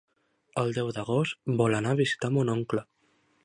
El deu d'agost vol anar a visitar mon oncle.